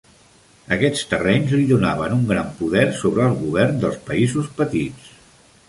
Aquests terrenys li donaven un gran poder sobre els governs dels països petits.